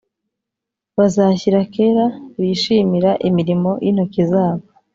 bazashyira kera bishimira imirimo y intoki zabo